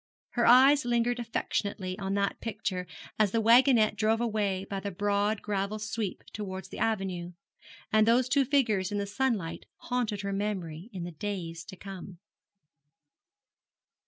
Her eyes lingered affectionately on that picture as the wagonette drove away by the broad gravel sweep towards the avenue; and those two figures in the sunlight haunted her memory in the days to come.